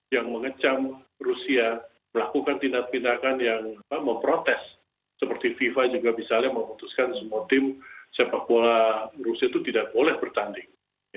yang mengecam rusia melakukan tindak tindakan yang memprotes seperti fifa juga misalnya memutuskan semua tim sepak bola rusia itu tidak boleh bertanding